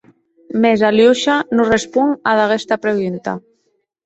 Mès Aliosha non responc ad aguesta pregunta.